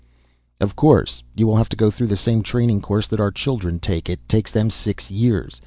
"Of course. You will have to go through the same training course that our children take. It takes them six years.